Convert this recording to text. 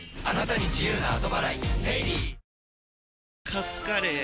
カツカレー？